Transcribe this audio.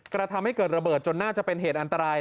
ทำให้เกิดระเบิดจนน่าจะเป็นเหตุอันตราย